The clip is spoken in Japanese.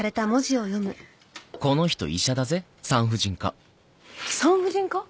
産婦人科？